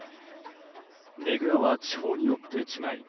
ねぐらは地方によって違い